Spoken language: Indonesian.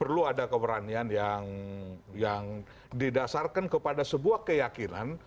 perlu ada keberanian yang didasarkan kepada sebuah keyakinan